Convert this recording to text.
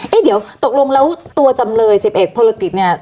เอ๊ะเดี๋ยวตกลงแล้วตัวจำเลยสิบเอกภพลกิจเนี่ย